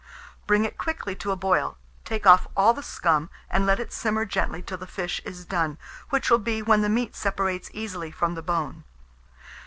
Bring it quickly to a boil, take off all the scum, and let it simmer gently till the fish is done, which will be when the meat separates easily from the bone.